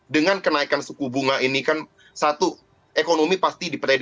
dengan kenaikan suku bunga ini kan satu ekonomi pasti diprediksi